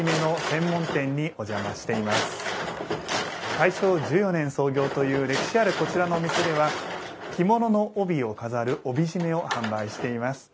大正１４年創業という歴史あるこちらのお店では着物の帯を飾る帯締めを販売しています。